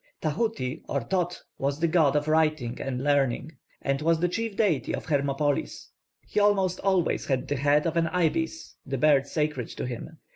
+Tahuti+ or +Thōth+ was the god of writing and learning, and was the chief deity of Hermopolis. He almost always has the head of an ibis, the bird sacred to him.